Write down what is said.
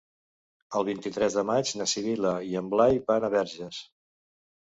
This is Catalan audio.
El vint-i-tres de maig na Sibil·la i en Blai van a Verges.